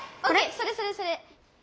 それそれそれ！